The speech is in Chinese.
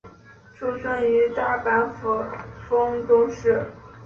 出身于大阪府丰中市。